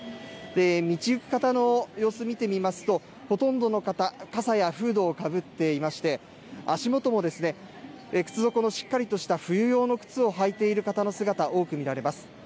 道行く方の様子、見てみますとほとんどの方、傘やフードをかぶっていまして足元も靴底のしっかりとした冬用の靴を履いている方の姿、多く見られます。